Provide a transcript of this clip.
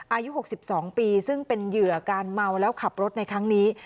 อายุ๖๒ปีซึ่งเป็นเหยื่อการเมาแล้วขับรถในครั้งนี้